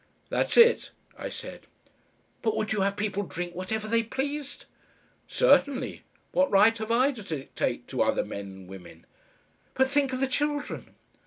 "That's it," I said. "But would you have people drink whatever they pleased?" "Certainly. What right have I to dictate to other men and women?" "But think of the children!"